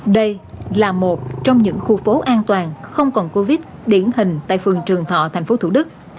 đây là một trong những khu phố an toàn không còn covid điển hình tại phường trường thọ thành phố thủ đức